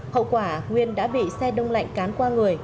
hậu quả nguyên đã bị xe đông lạnh cán qua người